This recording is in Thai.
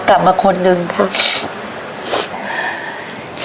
กลับมาคนนึงค่ะ